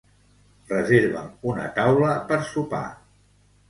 Reserva'm una taula per sopar.